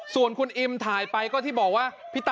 ส่วนคุณอิมถ่ายไป